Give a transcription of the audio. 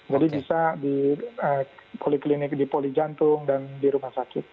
jadi bisa di poliklinik di poli jantung dan di rumah sakit